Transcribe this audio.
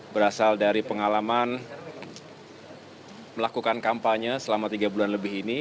berasal dari pengalaman melakukan kampanye selama tiga bulan lebih ini